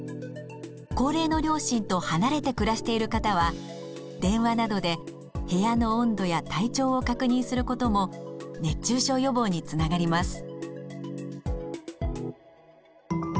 高齢の両親と離れて暮らしている方は電話などで部屋の温度や体調を確認することも熱中症予防につながります。